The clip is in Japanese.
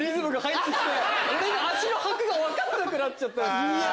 俺の足の拍が分かんなくなっちゃったんすよ。